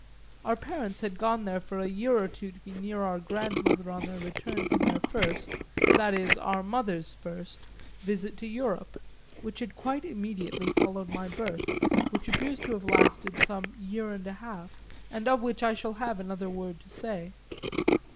Our parents had gone there for a year or two to be near our grandmother on their return from their first (that is our mother's first) visit to Europe, which had quite immediately followed my birth, which appears to have lasted some year and a half, and of which I shall have another word to say.